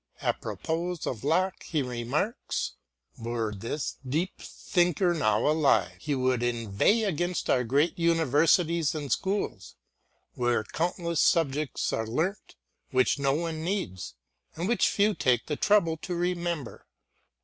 Apropos of Locke he remarks, "Were this deep thinker now alive, he would inveigh against our great universities and schools, where countless subjects are learnt which no one needs, and which few take the trouble to remember."